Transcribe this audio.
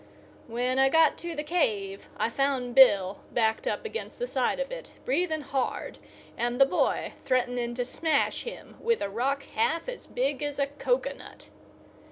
When I got to the cave I found Bill backed up against the side of it, breathing hard, and the boy threatening to smash him with a rock half as big as a cocoanut.